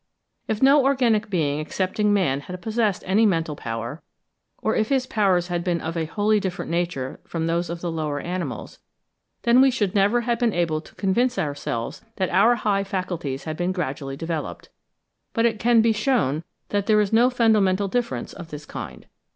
If no organic being excepting man had possessed any mental power, or if his powers had been of a wholly different nature from those of the lower animals, then we should never have been able to convince ourselves that our high faculties had been gradually developed. But it can be shewn that there is no fundamental difference of this kind.